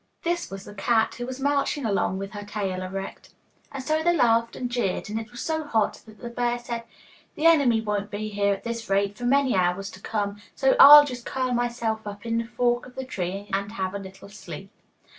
This was the cat, who was marching along with her tail erect. And so they laughed and jeered, and it was so hot that the bear said, 'The enemy won't be here at this rate for many hours to come, so I'll just curl myself up in the fork of the tree and have a little sleep.